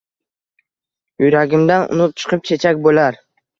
Yuragimdan unib chiqib chechak bo’lar